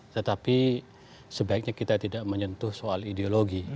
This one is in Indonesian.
tetapi sebaiknya kita tidak menyentuh soal ideologi